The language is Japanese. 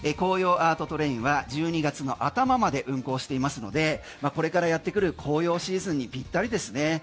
アートトレインは１２月の頭まで運行していますのでこれからやってくる紅葉シーズンにぴったりですね。